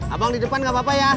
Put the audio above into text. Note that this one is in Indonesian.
abang di depan gak apa apa ya